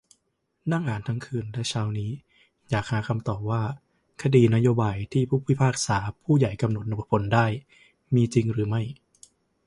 นั่งอ่านทั้งคืนและเช้านี้ อยากหาคำตอบว่า "คดีนโยบาย" ที่ผู้พิพากษาผู้ใหญ่กำหนดผลได้ มีจริงหรือไม่ ?